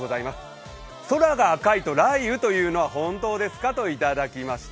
空が赤いと雷雨というのは本当ですか？といただきました。